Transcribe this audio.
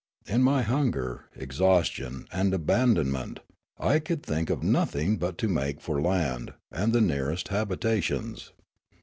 In my hunger, exhaustion, and abandonment I could think of nothing but to make for land and the nearest habit ations.